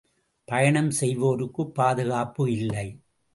பயணம் செய்வோருக்குப் பாதுகாப்பு இல்லை!